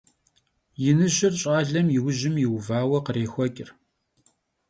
Yinıjır ş'alem yi vujım yiuvaue khrêxueç'.